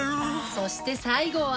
そして最後は。